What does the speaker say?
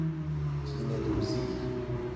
پینه دوزی